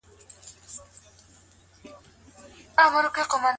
آیا د علم د پراختیا له لاري اجتماعي بدلونونه ممکن دي؟